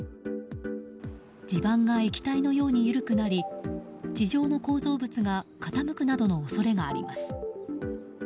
地盤が液体のように緩くなり地上の構造物が傾くなどの恐れがあります。